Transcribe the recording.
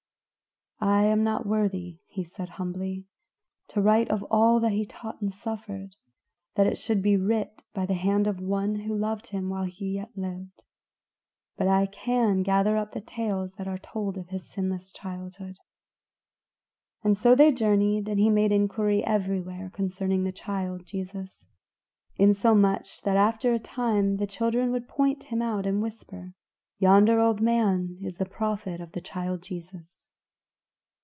"I am not worthy," he said humbly, "to write of all that he taught and suffered, that should be writ by the hand of one that loved him while he yet lived; but I can gather up the tales that are told of his sinless childhood." And so as they journeyed he made inquiry everywhere concerning the child Jesus; insomuch that after a time the children would point him out and whisper, "Yonder old man is the prophet of the Child Jesus."